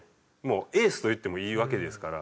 エースといってもいいわけですから。